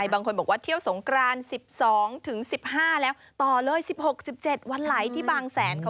บางคนบอกว่าเที่ยวสงกราน๑๒ถึง๑๕แล้วต่อเลย๑๖๑๗วันไหลที่บางแสน